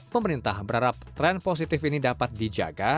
pemerintah berharap tren positif ini dapat dijaga